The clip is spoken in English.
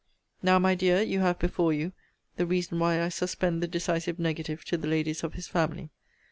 Now, my dear, you have before you the reason why I suspend the decisive negative to the ladies of his family.